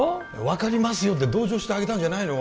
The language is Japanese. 「分かりますよ」って同情してあげたんじゃないの？